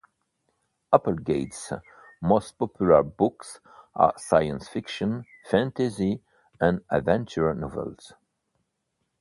Applegate's most popular books are science fiction, fantasy, and adventure novels.